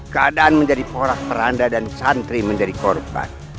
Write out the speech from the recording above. keadaan menjadi porak peranda dan santri menjadi korban